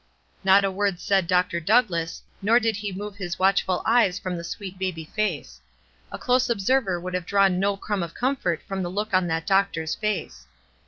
Not a word said Dr. Douglass, nor did be move his watchful eyes from the sweet baby face. A close observer would have drawn no crumb of comfort from the look on that doctor's face.